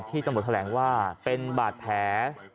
ที่จะบอกแทนแหลงว่าเป็นบาดแผล